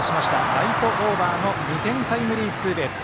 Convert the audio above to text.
ライトオーバーの２点タイムリーツーベース。